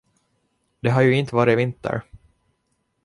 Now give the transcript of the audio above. Det har ju inte varit vinter.